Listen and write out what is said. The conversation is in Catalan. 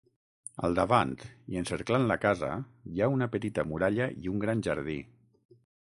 Al davant i encerclant la casa hi ha una petita muralla i un gran jardí.